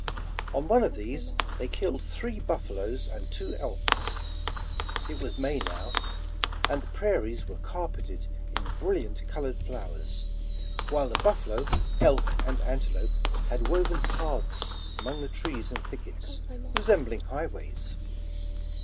On one of these they killed three buffaloes and two elks. It was May now, and the prai ries were carpeted in brilliant colored flowers, while the buffalo, elk and antelope had woven paths among the trees and thickets, resembling highways.